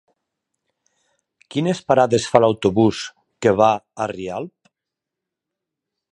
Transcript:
Quines parades fa l'autobús que va a Rialp?